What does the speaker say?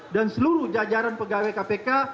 dan seluruh jajaran pegawai kpk